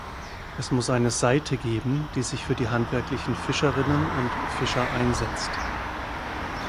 Es muss eine Seite geben, die sich für die handwerklichen Fischerinnen und Fischer einsetzt.